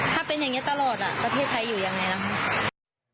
ถ้าเป็นอย่างเงี้ยตลอดอ่ะประเทศไทยอยู่ยังไงล่ะ